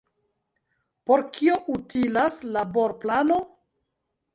Por kio utilas laborplano?